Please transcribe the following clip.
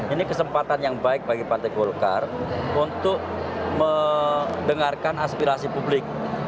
ini kesempatan yang baik bagi partai golkar untuk mendengarkan aspirasi publik